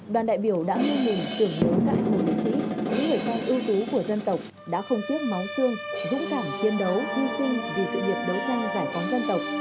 đoàn đại biểu đã nghiêng mình tưởng nhớ các anh hùng liệt sĩ những người con ưu tú của dân tộc đã không tiếc máu xương dũng cảm chiến đấu hy sinh vì sự nghiệp đấu tranh giải phóng dân tộc